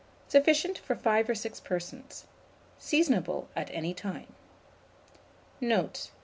Sufficient for 5 or 6 persons. Seasonable at any time. Note.